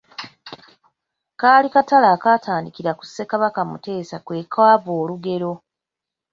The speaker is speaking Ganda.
Kaali katale akaatandikira ku Ssekabaka Muteesa kwe kwava olugero.